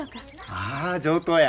ああ上等や。